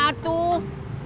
wah gimana tuh